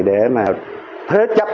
để mà thế chấp